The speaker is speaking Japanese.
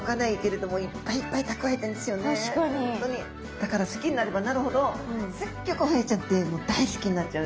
だから好きになればなるほどすっギョくホヤちゃんってもう大好きになっちゃう。